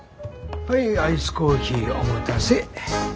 はいアイスコーヒーお待たせ。